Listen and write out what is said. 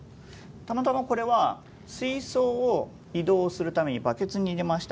たまたまこれは水槽を移動するためにバケツに入れましたと。